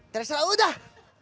terserah lu dah